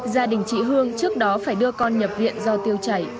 gia đình chị hương trước đó phải đưa con nhập viện do tiêu chảy